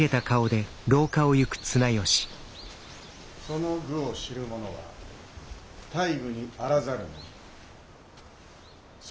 ・「其の愚を知る者は大愚にあらざるなり。